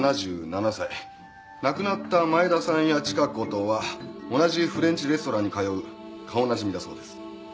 亡くなった前田さんやチカ子とは同じフレンチレストランに通う顔なじみだそうです。